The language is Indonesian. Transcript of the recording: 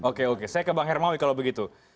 oke oke saya ke bang hermawi kalau begitu